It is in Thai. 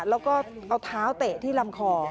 แล้วก็เอาเท้าเตะที่ลำคอ